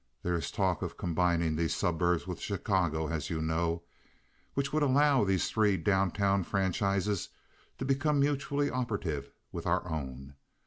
There is talk of combining these suburbs with Chicago, as you know, which would allow these three down town franchises to become mutually operative with our own.